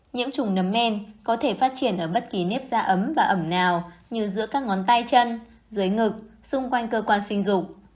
nhiễm trùng nấm men có thể phát triển ở bất kỳ nếp da ấm và ẩm nào như giữa các ngón tay chân dưới ngực xung quanh cơ quan sinh dục